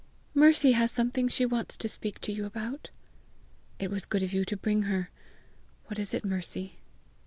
"Mercy has something she wants to speak to you about." "It was so good of you to bring her! What is it, Mercy?"